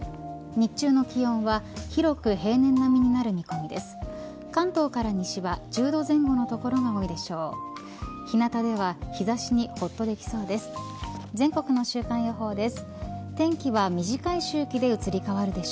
日中の気温は広く平年並みになる見込みです。